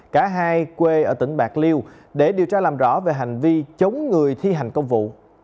cả hai quê ở tỉnh bạc liêu để điều tra làm rõ về hành vi chống người thi hành công vụ